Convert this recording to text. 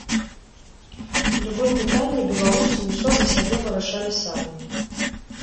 У любым пытанні беларусы ўсё за сябе вырашалі самі.